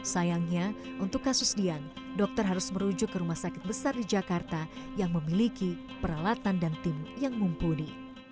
sayangnya untuk kasus dian dokter harus merujuk ke rumah sakit besar di jakarta yang memiliki peralatan dan tim yang mumpuni